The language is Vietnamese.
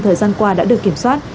thời gian qua đã được kiểm soát